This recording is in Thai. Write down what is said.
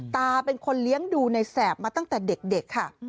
ตาเป็นคนเลี้ยงดูในแสบมาตั้งแต่เด็กค่ะ